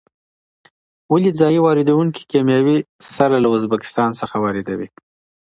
ولې ځايي واردوونکي کیمیاوي سره له ازبکستان څخه واردوي؟